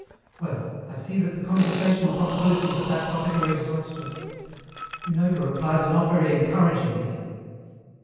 "Well, I see that the conversational possibilities of that topic are exhausted. You know your replies are not very encouraging, dear."